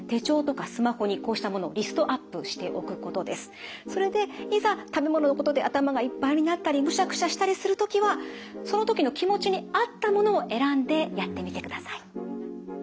例えばそれでいざ食べ物のことで頭がいっぱいになったりむしゃくしゃしたりする時はその時の気持ちに合ったものを選んでやってみてください。